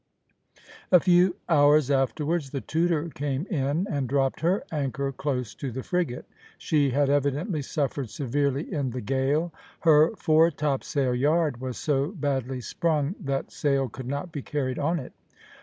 A few hours afterwards the Tudor came in and dropped her anchor close to the frigate. She had evidently suffered severely in the gale. Her fore topsail yard was so badly sprung that sail could not be carried on it.